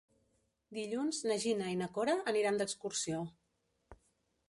Dilluns na Gina i na Cora aniran d'excursió.